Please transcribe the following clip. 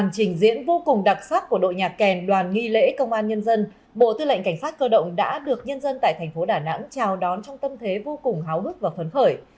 trong bộ nhạc kèn đoàn nghi lễ công an nhân dân bộ tư lệnh cảnh sát cơ động đã được nhân dân tại thành phố đà nẵng chào đón trong tâm thế vô cùng háo bức và phấn khởi